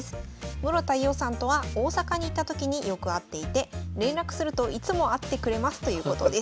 室田伊緒さんとは大阪に行った時によく会っていて連絡するといつも会ってくれますということです。